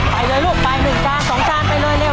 ไปเลยลูกไป๑จาน๒จานไปเลยเร็ว